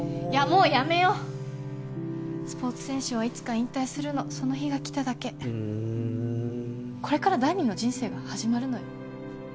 もうやめようスポーツ選手はいつか引退するのその日が来ただけうんこれから第２の人生が始まるのよ